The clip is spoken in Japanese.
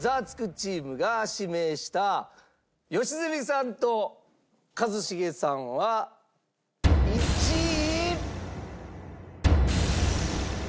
チームが指名した良純さんと一茂さんは１位。